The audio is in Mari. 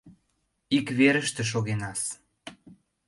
— Ик верыште шогенас!